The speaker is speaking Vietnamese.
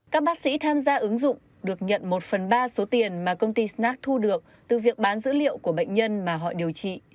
các bác sĩ tham gia ứng dụng được nhận một phần ba số tiền mà công ty snack thu được từ việc bán dữ liệu của bệnh nhân mà họ điều trị